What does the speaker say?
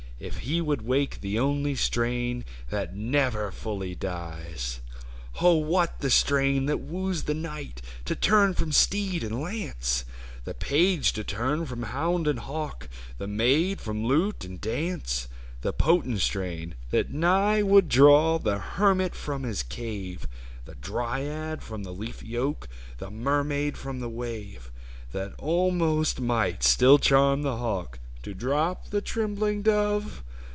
If he would wake the only strain That never fully dies ! what the strain that woos the knight To turn from steed and lance, The page to turn from hound and hawk, The maid from lute and dance ; The potent strain, that nigh would draw The hermit from his cave. The dryad from the leafy oak, The mermaid from the wave ; That almost might still charm the hawk To drop the trembling dove?